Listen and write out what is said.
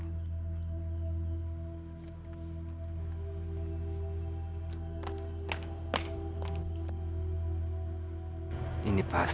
tidak ada apa apa